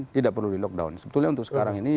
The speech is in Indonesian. tidak perlu di lockdown sebetulnya untuk sekarang ini